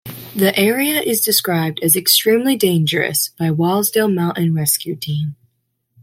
The area is described as 'extremely dangerous' by Wasdale Mountain Rescue Team.